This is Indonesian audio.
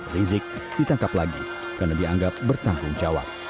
rizik ditangkap lagi karena dianggap bertanggung jawab